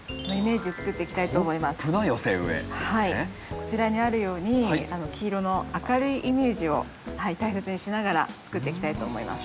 こちらにあるように黄色の明るいイメージを大切にしながら作っていきたいと思います。